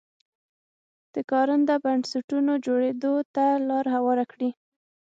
د کارنده بنسټونو جوړېدو ته لار هواره کړي.